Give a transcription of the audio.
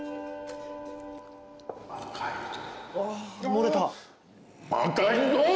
・漏れた。